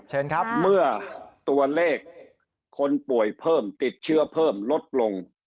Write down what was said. เชิญครับเมื่อตัวเลขคนป่วยเพิ่มติดเชื้อเพิ่มลดลง